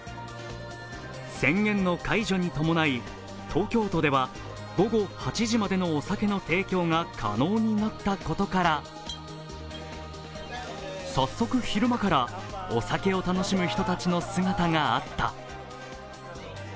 宣言の解除に伴い、東京都では午後８時までのお酒の提供が可能になったことから早速、昼間からお酒を楽しむ人たちの姿があった。